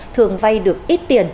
thường vay được ít tiền